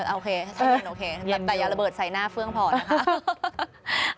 โอเคใช้เงินโอเคแต่อย่าระเบิดใส่หน้าเฟื่องพอดนะคะ